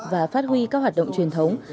và phát huy các hoạt động truyền thống